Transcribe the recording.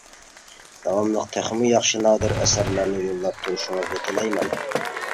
داۋاملىق تېخىمۇ ياخشى نادىر ئەسەرلەرنى يوللاپ تۇرۇشىڭىزنى تىلەيمەن!